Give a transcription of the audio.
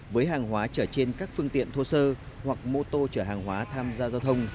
với hàng hóa chở trên các phương tiện thô sơ hoặc mô tô chở hàng hóa tham gia giao thông